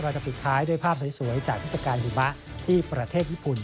จะปิดท้ายด้วยภาพสวยจากเทศกาลหิมะที่ประเทศญี่ปุ่น